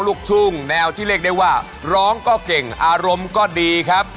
ซึกสุดที่รักครับ